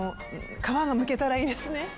皮がむけたらいいですね。